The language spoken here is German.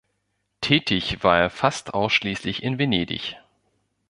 Tätig war er fast ausschließlich in Venedig.